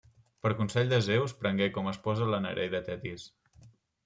Per consell de Zeus, prengué com a esposa la nereida Tetis.